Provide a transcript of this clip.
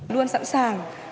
luôn sẵn sàng